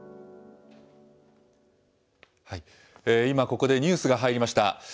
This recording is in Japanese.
今ここで、ニュースが入りました。